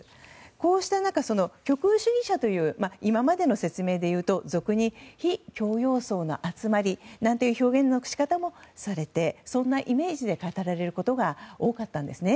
こうした中、極右主義者という今までの説明でいうと俗に非教養層の集まりなんていう表現の仕方もされてそんなイメージで語られることが多かったんですね。